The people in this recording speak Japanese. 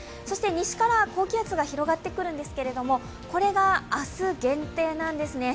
西から高気圧が広がってくるんですが、これが明日、限定なんですね。